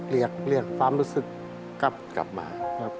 เรียกความรู้สึกกลับมาครับ